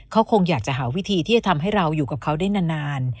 เขาคงอยากจะหาวิธีที่จะทำให้เราอยู่กับเขาได้นาน